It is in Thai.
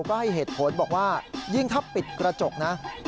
ก็ให้เหตุผลบอกว่ายิ่งถ้าปิดกระจกนะ